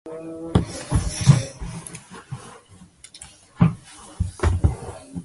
明诸生出身。